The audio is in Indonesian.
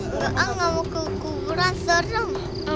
engga engga mau ke kuburan serem